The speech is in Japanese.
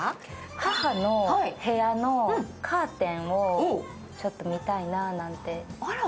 母の部屋のカーテンをちょっと見たいななんて。